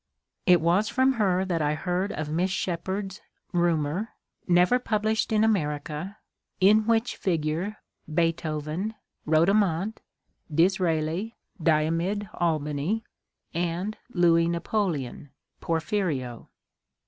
It was from her that I heard of Miss Shepard's ^* Rumour," never published in America, in which figure Beethoven (Rodomont), Disraeli (Diamid Albany), and Louis Napoleon (Porphyrio).